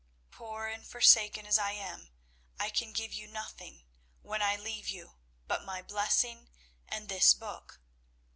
Poor and forsaken as I am, I can give you nothing, when I leave you, but my blessing and this book.